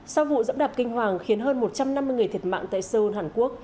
sau vụ dẫm đạp kinh hoàng khiến hơn một trăm năm mươi người thiệt mạng tại seoul hàn quốc